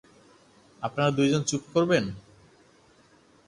আপনারা দুইজন চুপ করবেন?